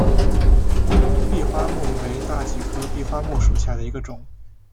闭花木为大戟科闭花木属下的一个种。